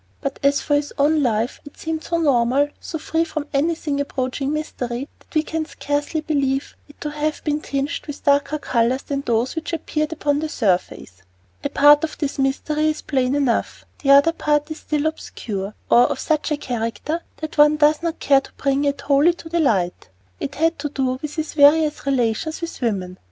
But as for his own life, it seemed so normal, so free from anything approaching mystery, that we can scarcely believe it to have been tinged with darker colors than those which appeared upon the surface. A part of this mystery is plain enough. The other part is still obscure or of such a character that one does not care to bring it wholly to the light. It had to do with his various relations with women.